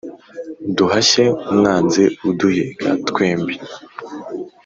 duhashye umwanzi uduhiga twembi.